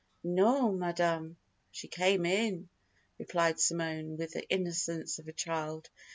"No, Madame, she came in," replied Simone with the innocence of a child.